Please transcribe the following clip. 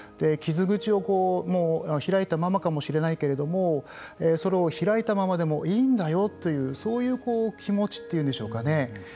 傷口を開いたままかもしれないけれどもそれを開いたままでもいいんだよというそういう気持ちというんでしょうかね